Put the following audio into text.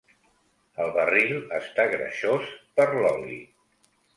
El barril està greixós per l'oli.